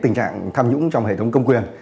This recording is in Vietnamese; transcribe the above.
tình trạng tham nhũng trong hệ thống công quyền